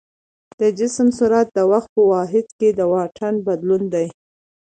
د جسم سرعت د وخت په واحد کې د واټن بدلون دی.